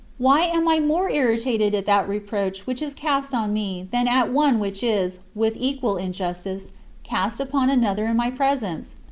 Why am I more irritated at that reproach which is cast on me than at one which is, with equal injustice, cast upon another in my presence?